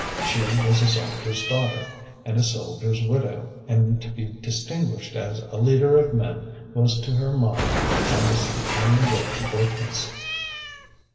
She was a soldier's daughter, and a soldier's widow; and to be distinguished as a leader of men was to her mind almost the only way to greatness.